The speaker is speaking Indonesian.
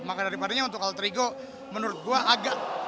maka daripadanya untuk alter ego menurut gue agak